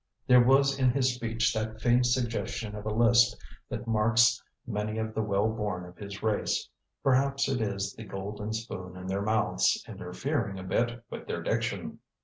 There was in his speech that faint suggestion of a lisp that marks many of the well born of his race. Perhaps it is the golden spoon in their mouths interfering a bit with their diction.